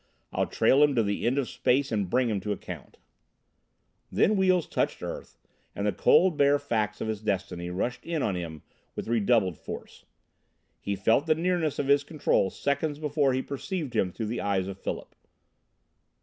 "I'll trail him to the end of space and bring him to account!" Then wheels touched earth and the cold, bare facts of his destiny rushed in on him with redoubled force. He felt the nearness of his Control seconds before he perceived him through the eyes of Philip.